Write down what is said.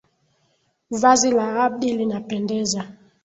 Vazi la Abdi linapendeza.